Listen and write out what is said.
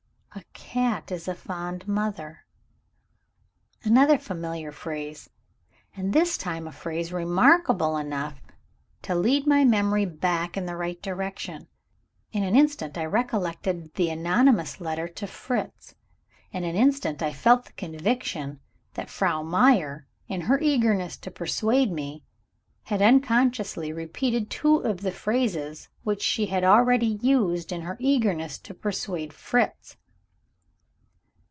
A cat is a fond mother. Another familiar phrase and this time a phrase remarkable enough to lead my memory back in the right direction. In an instant I recollected the anonymous letter to Fritz. In an instant I felt the conviction that Frau Meyer, in her eagerness to persuade me, had unconsciously repeated two of the phrases which she had already used, in her eagerness to persuade Fritz.